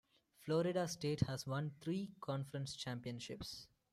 Florida State has won three conference championships.